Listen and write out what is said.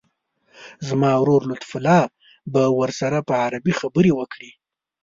زما ورور لطیف الله به ورسره په عربي خبرې وکړي.